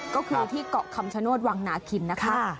ก็คือที่เกาะคำชโนธวังนาคินนะคะ